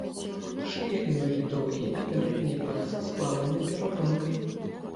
Шыя і ногі доўгія, пярэднія пальцы з плавальнай перапонкай.